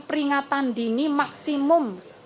peringatan dini maksimum